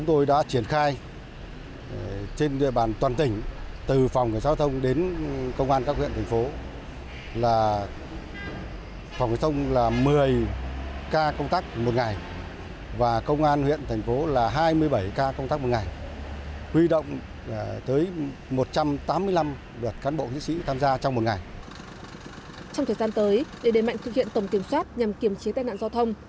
trong thời gian tới để đẩy mạnh thực hiện tổng kiểm soát nhằm kiểm trí tai nạn giao thông